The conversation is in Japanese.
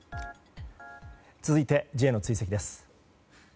続いてＪの追跡です。